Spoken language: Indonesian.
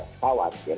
tidak tak wajar